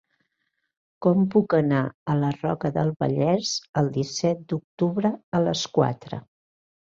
Com puc anar a la Roca del Vallès el disset d'octubre a les quatre?